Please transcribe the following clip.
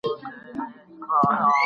هغې وویل چې ژوند لا هم روان دی.